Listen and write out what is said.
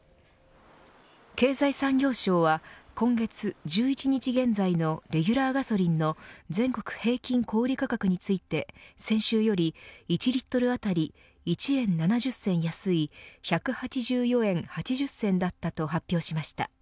経済産業省は今月１１日現在のレギュラーガソリンの全国平均小売価格について先週より１リットル当たり１円７０銭安い１８４円８０銭だったと発表しました。